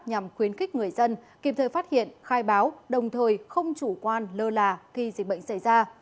nhằm khuyến khích người dân kịp thời phát hiện khai báo đồng thời không chủ quan lơ là khi dịch bệnh xảy ra